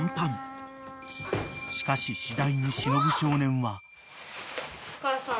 ［しかし次第に忍少年は］母さん。